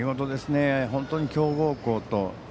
本当に強豪校と。